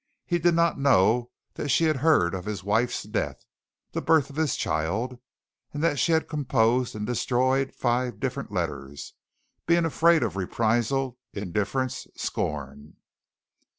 He did not know that she had heard of his wife's death the birth of his child and that she had composed and destroyed five different letters, being afraid of reprisal, indifference, scorn.